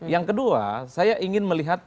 yang kedua saya ingin melihat